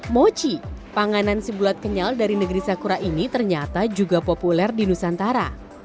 mochi panganan si bulat kenyal dari negeri sakura ini ternyata juga populer di nusantara